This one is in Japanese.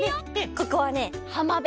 ここはねはまべ。